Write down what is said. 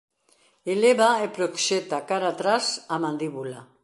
Eleva e proxecta cara atrás a mandíbula.